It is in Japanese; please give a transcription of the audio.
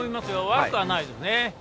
悪くはないですね。